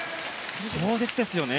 壮絶ですよね。